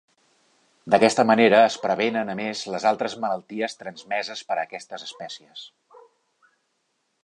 D'aquesta manera es prevenen a més les altres malalties transmeses per aquestes espècies.